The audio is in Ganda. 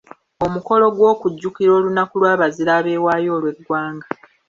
Omukolo gw’okujjukira olunaku lw’abazira abeewaayo olw’eggwanga.